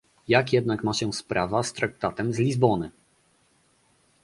Jak jednak ma się sprawa z Traktatem z Lizbony